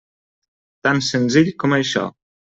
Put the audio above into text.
Tan senzill com això.